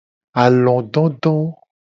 Alododo.